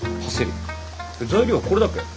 材料はこれだけ？